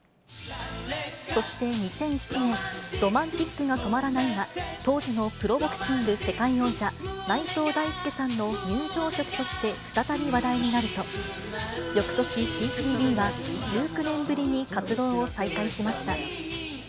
そして２００７年、Ｒｏｍａｎｔｉｃが止まらないが、当時のプロボクシング世界王者、内藤大助さんの入場曲として再び話題になると、よくとし、ＣーＣーＢは１９年ぶりに活動を再開しました。